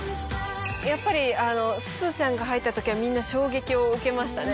やっぱりあのすずちゃんが入ったときはみんな衝撃を受けましたね。